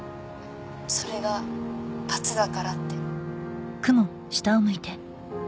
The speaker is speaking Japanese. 「それが罰だからって」